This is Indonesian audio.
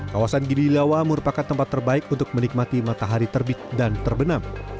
kawasan gililawa merupakan tempat terbaik untuk menikmati matahari terbit dan terbenam